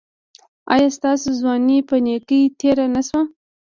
ایا ستاسو ځواني په نیکۍ تیره نه شوه؟